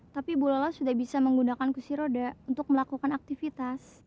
tapi bu lelah sudah bisa menggunakan kusiroda untuk melakukan aktivitas